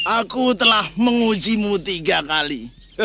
aku telah menguji mu tiga kali